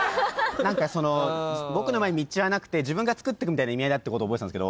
何か僕の前に道はなくて自分がつくっていくみたいな意味合いだってこと覚えてたんすけど。